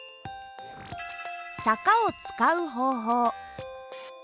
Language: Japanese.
坂を使う方法。